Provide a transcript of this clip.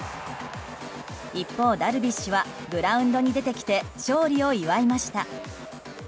一方、ダルビッシュはグラウンドに出てきて勝利を祝いました。